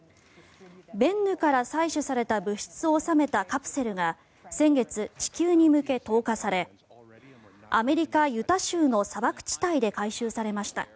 ベンヌから採取された物質を収めたカプセルが先月、地球に向け投下されアメリカ・ユタ州の砂漠地帯で回収されました。